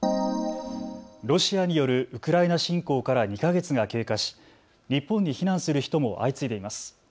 ロシアによるウクライナ侵攻から２か月が経過し日本に避難する人も相次いでいます。